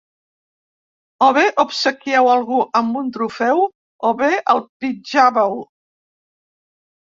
O bé obsequieu algú amb un trofeu o bé el pitjàveu.